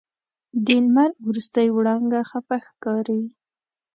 د لمر وروستۍ وړانګه خفه ښکاري